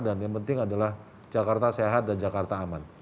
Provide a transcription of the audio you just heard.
dan yang penting adalah jakarta sehat dan jakarta aman